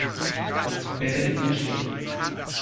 Beverly Mitchell